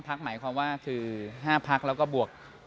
หมายความว่าคือ๕พักแล้วก็บวก